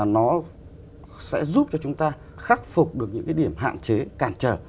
nó sẽ giúp cho chúng ta khắc phục được những cái điểm hạn chế cản trở